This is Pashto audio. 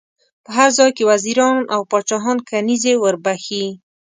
په هر ځای کې وزیران او پاچاهان کنیزي ور بخښي.